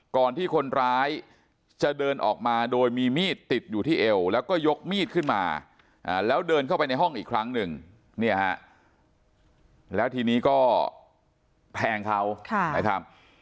ก่อนที่คนร้ายจะเดินออกมาโดยมีมีดติดอยู่ที่เอวแล้วก็ยกมีดขึ้นมาแล้วเดินเข้าไปในห้องอีกครั้งหนึ่งเนี่ยฮะแล้วทีนี้ก็แทงเขานะครับ